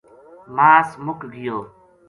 ماس مُک گیو